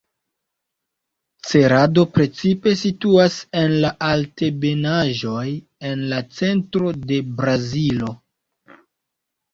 Cerado precipe situas en la altebenaĵoj en la centro de Brazilo.